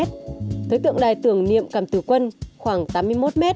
đối tượng đài tưởng niệm cảm tử quân khoảng tám mươi một m